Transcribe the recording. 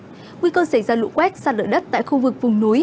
nguy cơ xảy ra lụ quét sạt lợi đất tại khu vực vùng núi